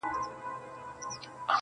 د زړه له درده دا نارۍ نه وهم.